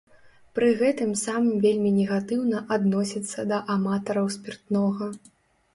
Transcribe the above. Пры гэтым сам вельмі негатыўна адносіцца да аматараў спіртнога.